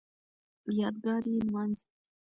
یادګار یې نمانځي